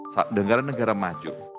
sejak negara negara maju